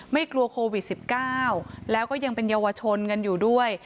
ไม่กลัวโควิด๑๙แล้วก็ยังเป็นเยาวชนกันอยู่ด้วย